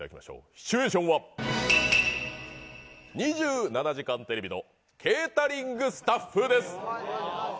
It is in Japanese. シチュエーションは２７時間テレビのケータリングスタッフです。